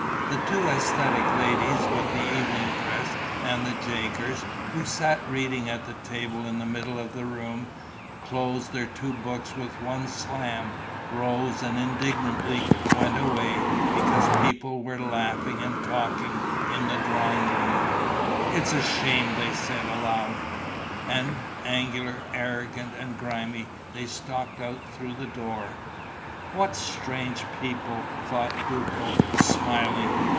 The two æsthetic ladies, with the evening dress and the Jaegers, who sat reading at the table in the middle of the room, closed their two books with one slam, rose and indignantly went away, because people were laughing and talking in the drawing room: "It's a shame!" they said, aloud. And, angular, arrogant and grimy, they stalked out through the door. "What strange people!" thought Duco, smiling.